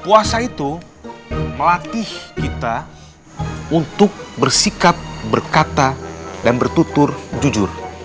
puasa itu melatih kita untuk bersikap berkata dan bertutur jujur